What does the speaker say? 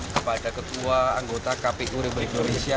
kepada ketua anggota kpu republik indonesia